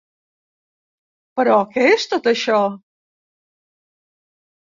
Però què és tot això?